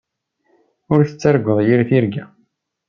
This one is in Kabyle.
Ur tettarguḍ yir tirga.